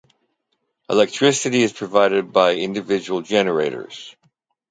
Electricity is provided by individual generators.